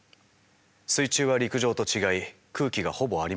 水中は陸上と違い空気がほぼありません。